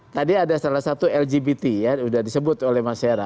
tadi ada salah satu lgbt ya sudah disebut oleh mas hera